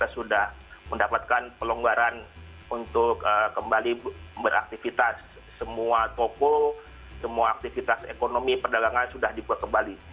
sudah mendapatkan pelonggaran untuk kembali beraktivitas semua toko semua aktivitas ekonomi perdagangan sudah dibuat kembali